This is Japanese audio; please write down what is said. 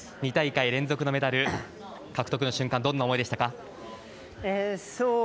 ２大会連続のメダル獲得の瞬間はどんな思いでしたか？